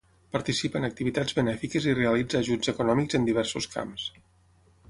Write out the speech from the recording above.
Participa en activitats benèfiques i realitza ajuts econòmics en diversos camps.